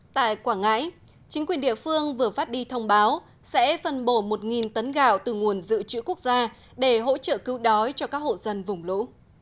tại quảng ngãi chính quyền địa phương vừa phát đi thông báo sẽ phân bổ một tấn gạo từ nguồn dự trữ quốc gia để hỗ trợ cứu đói cho các hộ dân vùng lũ